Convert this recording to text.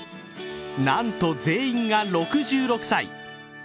なんと、全員が６６歳。